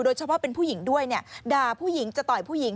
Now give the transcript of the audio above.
เฉพาะเป็นผู้หญิงด้วยเนี่ยด่าผู้หญิงจะต่อยผู้หญิง